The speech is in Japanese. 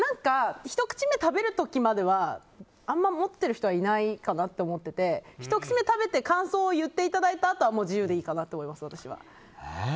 ひと口目食べる時はあんまり持ってる人いないかなと思っていてひと口目食べて感想を言っていただいたあとは自由でいいかなと思います。